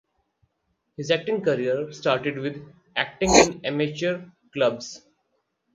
His acting career started with acting in amateur clubs.